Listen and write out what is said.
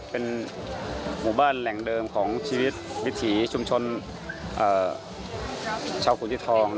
เป็นหมู่บ้านแหล่งเดิมของชีวิตวิถีชุมชนชาวขุนจิตทอง